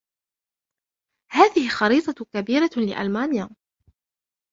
هذه خريطة كبيرة لألمانيا.